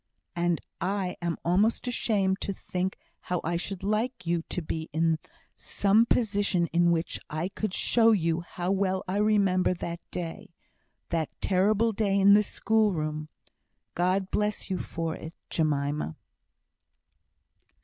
"And I am almost ashamed to think how I should like you to be in some position in which I could show you how well I remember that day that terrible day in the school room. God bless you for it, Jemima!"